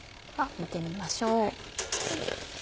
見てみましょう。